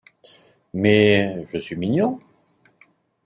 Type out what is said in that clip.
Mais… je suis mignon.